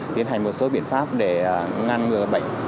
tiến hành một số biện pháp để ngăn ngừa bệnh